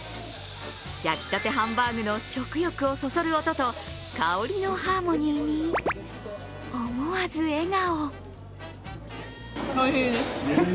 焼きたてハンバーグの食欲をそそる音と香りのハーモニーに思わず笑顔。